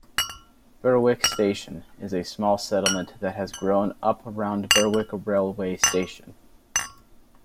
Berwick Station is a small settlement that has grown up around Berwick railway station.